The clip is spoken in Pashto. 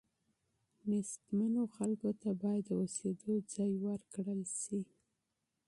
غریبو خلکو ته باید د اوسېدو ځای ورکړل سي.